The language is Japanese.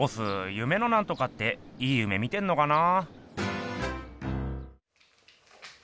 夢のなんとかっていい夢見てんのかな？